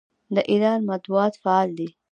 د ایران مطبوعات فعال دي.